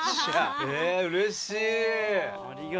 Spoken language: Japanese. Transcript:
うれしい！